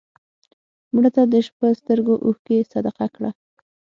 مړه ته د شپه سترګو اوښکې صدقه کړه